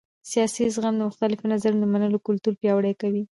سیاسي زغم د مختلفو نظرونو د منلو کلتور پیاوړی کوي